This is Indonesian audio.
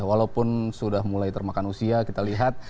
walaupun sudah mulai termakan usia kita lihat